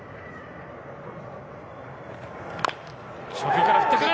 初球から振ってくる。